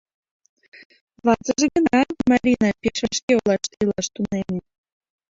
Ватыже гына, Марина, пеш вашке олаште илаш тунеме.